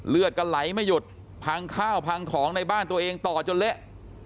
เลือดก็ไหลไม่หยุดพังข้าวพังของในบ้านตัวเองต่อจนเละ